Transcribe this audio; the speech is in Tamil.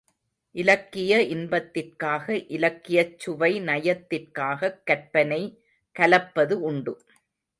இலக்கிய இன்பத்திற்காக இலக்கியச் சுவை நயத்திற்காகக் கற்பனை கலப்பது உண்டு.